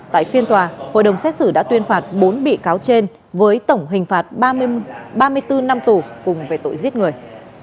tại phiên tòa hội đồng xét xử đã tuyên phạt bốn bị cáo trên với tổng hình phạt ba mươi bốn năm tù cùng về tội giết người